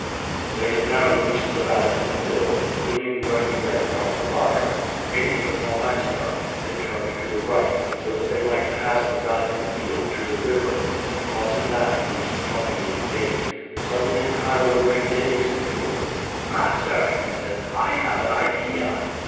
They had now reached the Vatican Hill, gleaming ruddy red from the fire. Gaining the Kaumachia, they turned to the right, so that they might pass the Vatican Field to the river, and crossing that reach the Flaminian Gate. Suddenly Chilo reined in his mule. "Master," he said, " I have an idea."